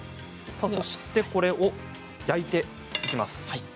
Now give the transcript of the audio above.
これを焼いていきます。